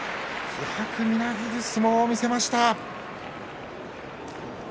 気迫みなぎる相撲を見せました。